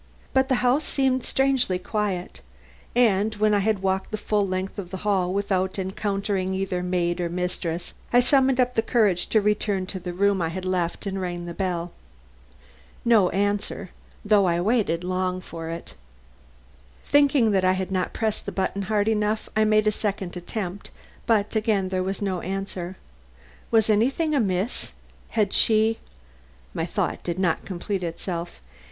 But the house seemed strangely quiet, and when I had walked the full length of the hall without encountering either maid or mistress, I summoned up courage to return to the room I had left and ring the bell. No answer, though I waited long for it. Thinking that I had not pressed the button hard enough, I made a second attempt, but again there was no answer. Was anything amiss? Had she My thought did not complete itself.